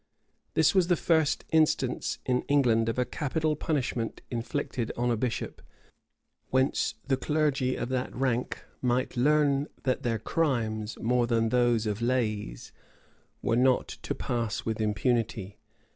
This was the first instance in England of a capital punishment inflicted on a bishop; whence the clergy of that rank might learn that their crimes, more than those of laies, were not to pass with impunity.